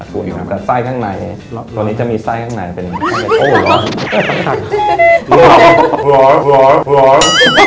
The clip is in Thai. แต่ใส่ข้างในตัวนี้จะมีใส่ข้างในเป็นโอ้หรอ